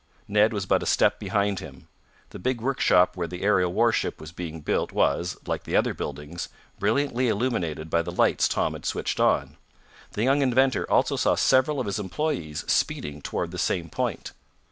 Ned was but a step behind him. The big workshop where the aerial warship was being built was, like the other buildings, brilliantly illuminated by the lights Tom had switched on. The young inventor also saw several of his employees speeding toward the same point.